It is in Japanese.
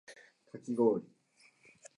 かき氷